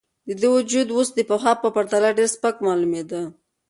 د ده وجود اوس د پخوا په پرتله ډېر سپک معلومېده.